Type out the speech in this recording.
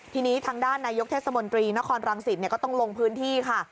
ทีนี้ทางด้านนายกเทศมนตรีนครรังสิตก็ต้องลงพื้นที่ค่ะ